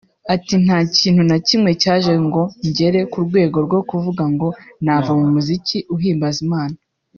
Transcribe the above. Ati “Nta kintu na kimwe cyaje ngo ngere ku rwego rwo kuvuga ngo nava mu muziki uhimbaza Imana